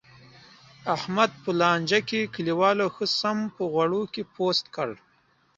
احمد په لانجه کې، کلیوالو ښه سم په غوړو کې پوست کړ.